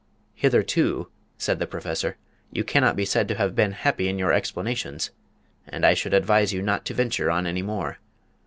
"Hitherto," said the Professor, "you cannot be said to have been happy in your explanations and I should advise you not to venture on any more.